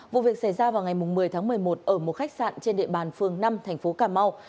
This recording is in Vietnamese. vụ việc xảy ra vào ngày một mươi tháng một mươi một ở một khách sạn trên địa bàn phường năm thành phố cà mau